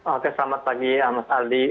oke selamat pagi mas aldi